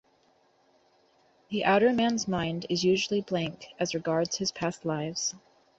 The outer man's mind is usually blank as regards his past lives.